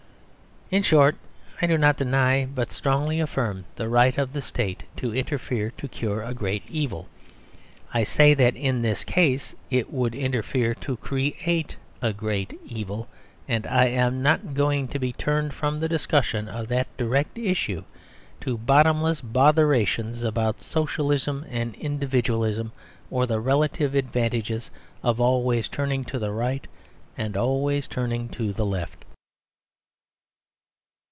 In short, I do not deny, but strongly affirm, the right of the State to interfere to cure a great evil. I say that in this case it would interfere to create a great evil; and I am not going to be turned from the discussion of that direct issue to bottomless botherations about Socialism and Individualism, or the relative advantages of always turning to the right and always turning to the left.